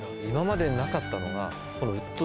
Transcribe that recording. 今までになかったのがこの。